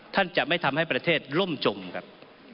ท่านจะไม่ทำให้ประเทศล่มจมครับ